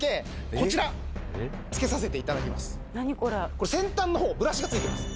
これ先端の方ブラシが付いてます。